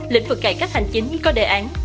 lịch vực cải cách hành chính có đề án